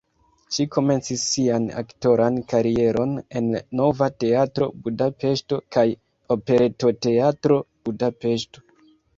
Ŝi komencis sian aktoran karieron en Nova Teatro (Budapeŝto) kaj Operetoteatro (Budapeŝto).